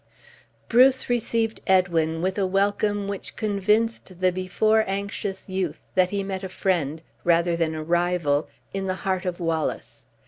Bruce received Edwin with a welcome which convinced the before anxious youth that he met a friend, rather than a rival, in the heart of Wallace.